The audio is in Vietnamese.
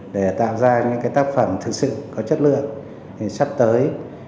để tạo ra những tác phẩm thực sự có chất lượng thì sắp tới